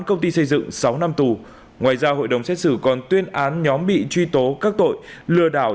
công ty xây dựng sáu năm tù ngoài ra hội đồng xét xử còn tuyên án nhóm bị truy tố các tội lừa đảo